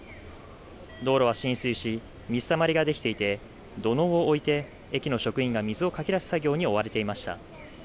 道路は浸水し水たまりができていて土のうを置いて駅の職員が水をかき出す作業に追われていました。